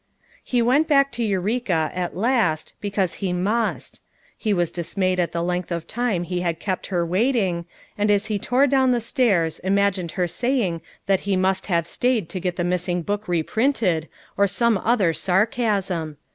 IIo went back to Eureka, at last, because be must; he was dismayed at the length of time he bad kept her waiting, and as bo tore down the stairs imagined her saying that he must have stayed to get the missing book reprinted, or some other sarcasm.